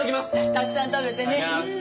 たくさん食べてね。